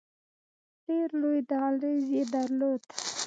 ډېر لوی دهلیز یې درلود.